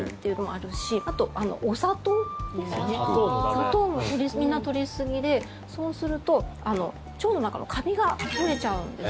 砂糖も、みんな取りすぎでそうすると腸の中のカビが増えちゃうんです。